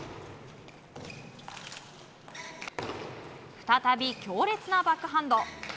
再び強烈なバックハンド。